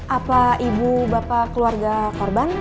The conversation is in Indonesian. apa ibu bapak keluarga korban